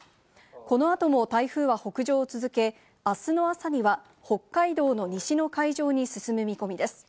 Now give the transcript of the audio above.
このあとも台風は北上を続け、あすの朝には北海道の西の海上に進む見込みです。